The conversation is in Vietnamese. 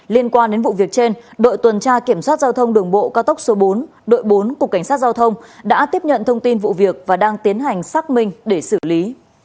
liên quan đến vụ việc trên đội tuần tra kiểm soát giao thông đường bộ cao tốc số bốn đội bốn cục cảnh sát giao thông đã tiếp nhận thông tin vụ việc và đang tiến hành xác minh để xử lý